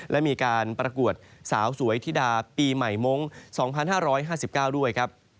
และมีการประกวดสาวสวยธิดาปีใหม่มงค์๒๕๕๙ด้วยครับ